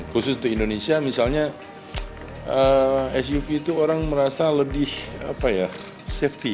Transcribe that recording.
khusus untuk indonesia misalnya suv itu orang merasa lebih safety